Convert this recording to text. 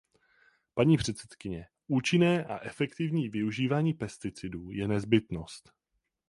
Paní předsedkyně, účinné a efektivní využívání pesticidů je nezbytnost.